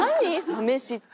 サ飯って。